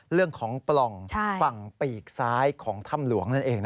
เรื่องของปล่องฝั่งปีกซ้ายของถ้ำหลวงนั่นเอง